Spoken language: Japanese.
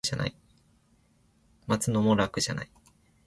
待つのも楽じゃない